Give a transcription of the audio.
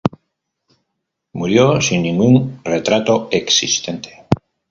Murió sin ningún retrato existente.